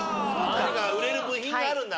何か売れる部品があるんだ